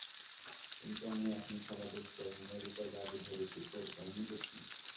কিন্তু আমি এখন খেলা দেখছি এবং এর উপর বাজি ধরেছি, তো কাহিনীটা কী?